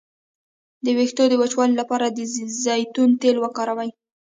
د ویښتو د وچوالي لپاره د زیتون تېل وکاروئ